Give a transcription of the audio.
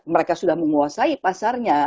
mereka sudah menguasai pasarnya